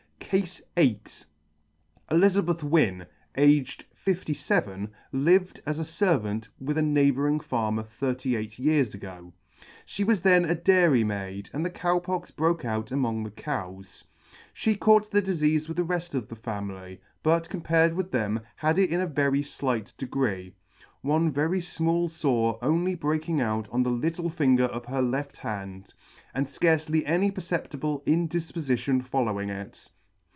CASE nil . ELIZABETH WYNNE, aged fifty feven, lived as a fervant with a neighbouring Farmer thirty eight years ago. She was then a dairymaid, and the Cow Pox broke out among the cows. She caught the difeafe with the red: of the family, but, com pared with them, had it in a very flight degree, one very fmall fore only breaking out on the little finger of her left hand, and fcarcely any perceptible indifpofition following it.